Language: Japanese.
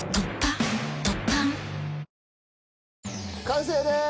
完成です！